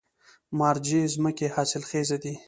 مارجې ځمکې حاصلخیزه دي؟